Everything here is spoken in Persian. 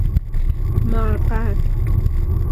مرقد